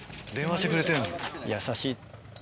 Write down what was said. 優しい。